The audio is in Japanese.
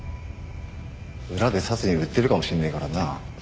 裏でサツに売ってるかもしんねえからな。